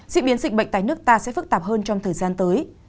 diễn biến dịch bệnh tại nước ta sẽ phức tạp hơn trong thời gian tới